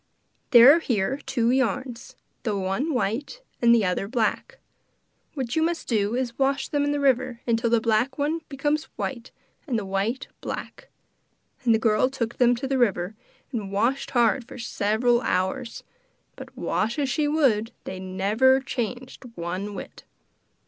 There are here two yarns, the one white, the other black. What you must do is to wash them in the river till the black one becomes white and the white black.' And the girl took them to the river and washed hard for several hours, but wash as she would they never changed one whit.